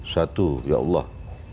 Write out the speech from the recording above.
satu ya allah